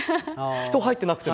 人入ってなくても。